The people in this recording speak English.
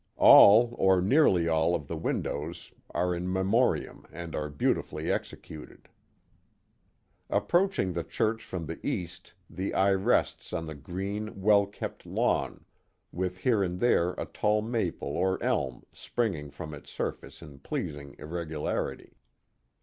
All, or nearly all, of the windows are in me moriam and are beautifully executed. Approaching the church from the east the eye rests on the green, well kept lawn, with here and there a tall maple or elm springing from its surface in pleasing irregularity.